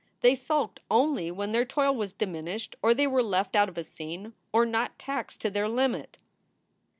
They sulked only when their toil was diminished or they were left out of a scene or not taxed to their limit.